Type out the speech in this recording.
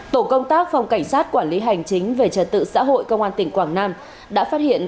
tổ công tác phòng cảnh sát quản lý hành chính về trật tự xã hội công an tỉnh quảng nam đã phát hiện